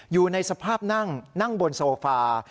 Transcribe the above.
อยู่ในสภาพนั่งบนโซฟา